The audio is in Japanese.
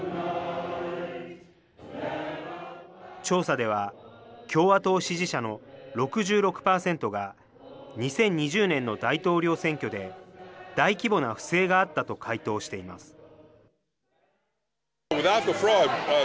調査では、共和党支持者の６６％が、２０２０年の大統領選挙で大規模な不正があったと回答しています。